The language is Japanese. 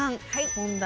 問題